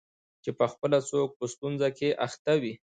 چي پخپله څوک په ستونزه کي اخته وي